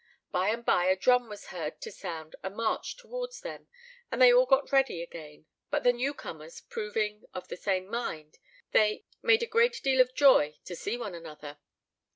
By and by a drum was heard to sound a march towards them, and they all got ready again, but the new comers proving of the same mind, they "made a great deal of joy to see one another."